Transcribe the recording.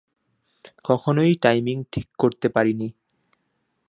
কখনোই টাইমিং ঠিক করতে পারিনি।